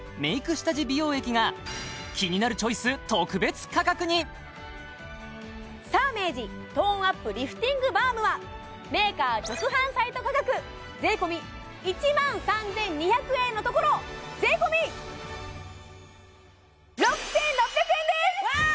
下地美容液が「キニナルチョイス」サーメージトーンアップリフティングバームはメーカー直販サイト価格税込１万３２００円のところ税込６６００円です！わ！